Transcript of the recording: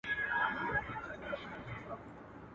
وربشې د روغتیا لپاره ښې دي.